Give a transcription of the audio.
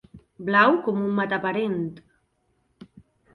Blau com un mataparent.